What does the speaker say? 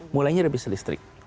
mulainya ada bis listrik